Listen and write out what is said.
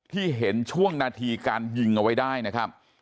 ที่เห็นช่วงนาทีการยิงเอาไว้ได้นะครับ